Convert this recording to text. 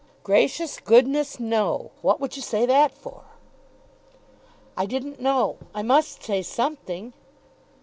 "Gracious goodness, no! What would you say that for?" "I didn't know. I must say something."